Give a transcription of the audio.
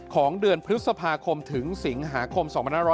ของเดือนพฤษภาคมถึงสิงหาคม๒๕๖๐